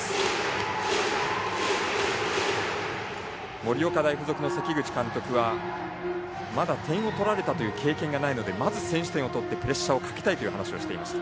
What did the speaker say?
盛岡大付属の関口監督はまだ点を取られたという経験がないのでまず先取点を取ってプレッシャーをかけたいと話をしていました。